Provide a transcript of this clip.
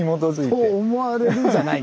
「と思われる」じゃない。